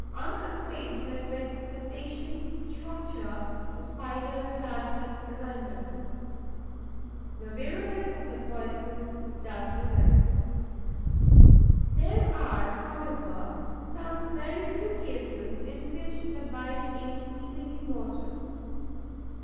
Unacquainted with the patient's structure, the Spider stabs at random. The virulence of the poison does the rest. There are, however, some very few cases in which the bite is speedily mortal.